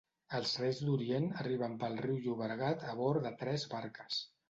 Els Reis d'Orient arriben pel riu Llobregat a bord de tres barques.